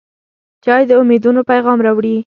چای د امیدونو پیغام راوړي.